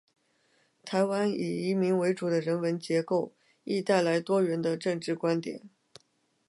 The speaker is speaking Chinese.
台湾以移民为主的人文结构，亦带来多元的政治观点。